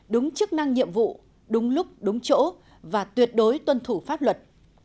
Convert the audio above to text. đúng chức năng nhiệm vụ đúng lúc đúng chỗ và tuyệt đối tuân thủ pháp luật